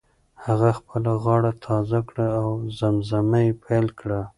هغه خپله غاړه تازه کړه او زمزمه یې پیل کړه.